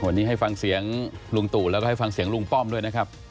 วันนี้ให้ฟังเสียงลุงตู่แล้วก็ให้ฟังเสียงลุงป้อมด้วยนะครับ